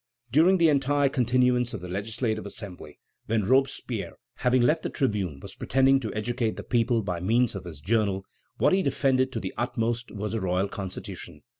During the entire continuance of the Legislative Assembly, when Robespierre, having left the tribune, was pretending to educate the people by means of his journal, what he defended to the utmost was the royal Constitution.